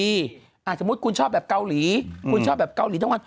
สมมุติคุณชอบแบบเกาหลีคุณชอบแบบเกาหลีทั้งวัน